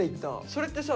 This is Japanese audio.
それってさ